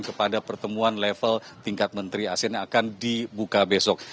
kepada pertemuan level tingkat menteri asean yang akan dibuka besok